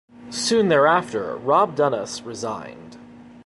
Soon thereafter Rob Duenas resigned.